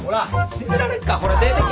信じられっか！ほら出てけ！